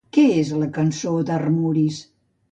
Què és la cançó d'Armuris?